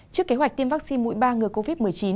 trước kế hoạch tiêm vaccine mũi ba ngừa covid một mươi chín